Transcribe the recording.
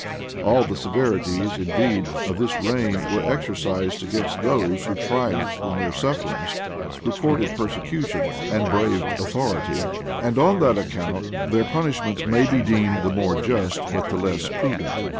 [] All the severities, indeed, of this reign were exercised against those who triumphed in their sufferings, who courted persecution, and braved authority; and on that account their punishment may be deemed the more just, but the less prudent.